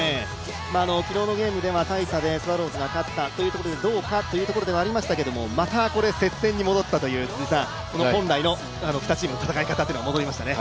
昨日のゲームでは大差でスワローズが勝ったところでどうかというところではありましたけれども、また戻ったという本来の２チームの戦い方が戻りましたね。